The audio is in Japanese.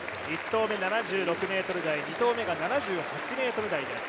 １投目７６ｍ台、２投目が７８ｍ台です。